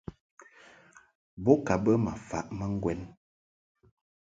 Bo ka bə ma faʼ ma ŋgwɛn.